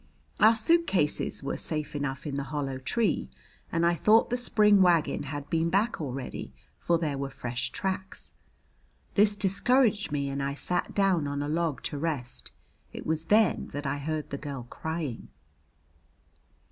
Our suitcases were safe enough in the hollow tree, and I thought the spring wagon had been back already, for there were fresh tracks. This discouraged me and I sat down on a log to rest. It was then that I heard the girl crying.